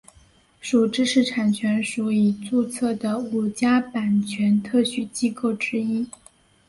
属知识产权署已注册的五家版权特许机构之一。